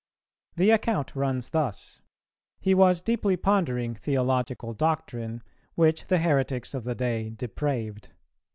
The account runs thus: He was deeply pondering theological doctrine, which the heretics of the day depraved.